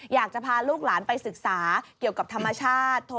อยากจะพาลูกหลานไปศึกษาเกี่ยวกับธรรมชาติ